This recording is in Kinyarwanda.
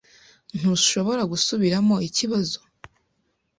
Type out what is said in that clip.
Ntushobora gusubiramo ikibazo?